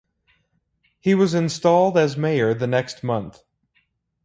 He was installed as mayor the next month.